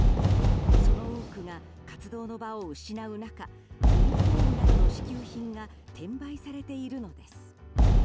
その多くが活動の場を失う中ユニホームなどの支給品が転売されているのです。